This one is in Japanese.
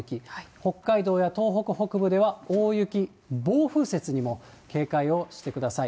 北海道や東北北部では大雪、暴風雪にも警戒をしてください。